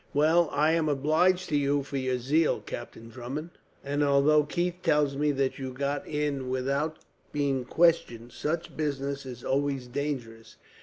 "Well, I am obliged to you for your zeal, Captain Drummond; and although Keith tells me that you got in without being questioned, such business is always dangerous.